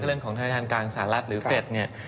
เรื่องของธนาคารกลางสหรัฐหรือเฟสเนี่ย